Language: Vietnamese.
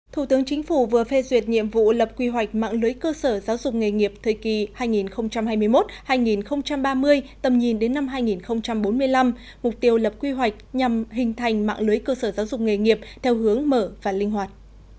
thủ tướng chính phủ vừa phê duyệt nhiệm vụ lập quy hoạch mạng lưới cơ sở giáo dục nghề nghiệp thời kỳ hai nghìn hai mươi một hai nghìn ba mươi tầm nhìn đến năm hai nghìn bốn mươi năm mục tiêu lập quy hoạch nhằm hình thành mạng lưới cơ sở giáo dục nghề nghiệp theo hướng mở và linh hoạt